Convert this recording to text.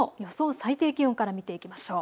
最低気温から見ていきましょう。